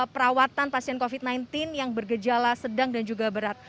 perawatan pasien covid sembilan belas yang bergejala sedang dan juga berat